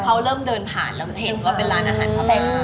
เขาเริ่มเดินผ่านแล้วเห็นว่าเป็นร้านอาหารผ้าใบ